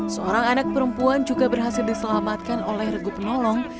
seorang anak perempuan juga berhasil diselamatkan oleh regu penolong